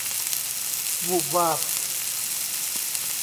วูบวาบ